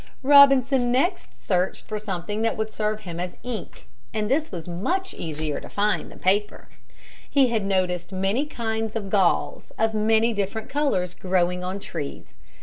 Robinson next searched for something that would serve him as ink, and this was much easier to find than paper. He had noticed many kinds of galls of many different colors growing on trees.